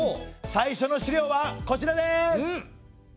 最初の資料はこちらです！